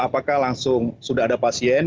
apakah langsung sudah ada pasien